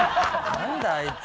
何だあいつ。